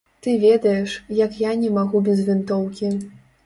Ты ведаеш, як я не магу без вінтоўкі.